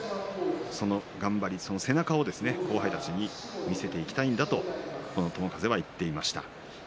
その頑張り、背中を追う後輩たちに見せていきたいんだと友風は言っていました。